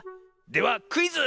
ではクイズ！